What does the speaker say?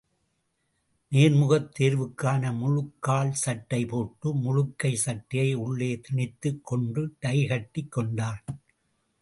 நேர்முகத் தேர்வுக்கான முழுக்கால் சட்டைபோட்டு, முழுக்கை சட்டையை உள்ளே திணித்துக் கொண்டு, டை கட்டிக் கொண்டான்.